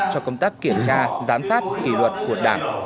cho công tác kiểm tra giám sát kỷ luật của đảng